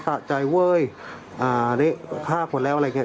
สะใจเว้ยนี้ฆาบหมดแล้วอะไรเงี้ย